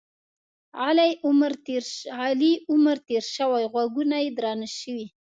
علي عمر تېر شوی؛ غوږونه یې درانه شوي.